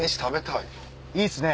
いいっすね